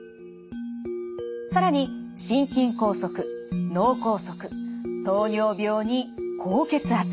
更に心筋梗塞脳梗塞糖尿病に高血圧。